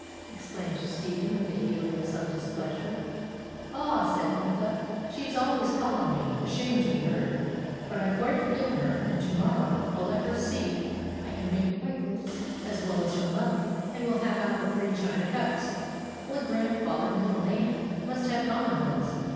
exclaimed Stephen, with a feeling of some displeasure. 'Ah,' said Martha, 'she's always calling me a shame to be heard. But I've quite forgiven her; and to morrow I'll let her see I can make pikelets as well as her mother; and we'll have out the three china cups; only grandfather and little Nan must have common ones.